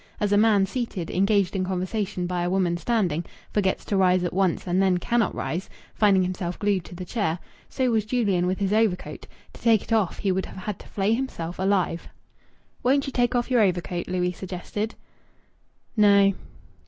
As a man seated, engaged in conversation by a woman standing, forgets to rise at once and then cannot rise, finding himself glued to the chair, so was Julian with his overcoat; to take it off he would have had to flay himself alive. "Won't you take off your overcoat?" Louis suggested. "No."